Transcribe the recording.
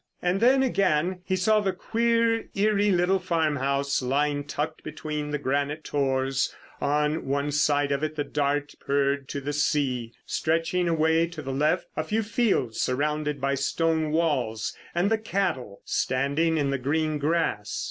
And then, again, he saw the queer eerie little farmhouse lying tucked between the granite tors: on one side of it the Dart purred to the sea; stretching away to the left a few fields surrounded by stone walls and the cattle standing in the green grass.